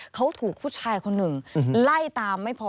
เขาถูกผู้ชายคนหนึ่งไล่ตามไม่พอ